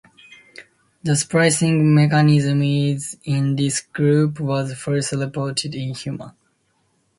The splicing mechanism in this group was first reported in human.